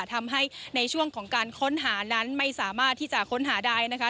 ทำให้ในช่วงของการค้นหานั้นไม่สามารถที่จะค้นหาได้นะคะ